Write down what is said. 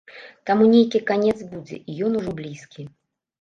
Таму нейкі канец будзе і ён ужо блізкі.